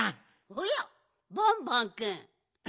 おやバンバンくん。